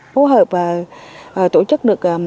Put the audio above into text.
hỗ hợp và tổ chức được